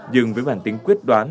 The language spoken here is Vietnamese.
nhưng với bản tính quyết đoán